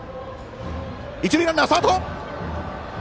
一塁ランナー、スタート！